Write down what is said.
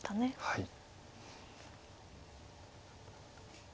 はい。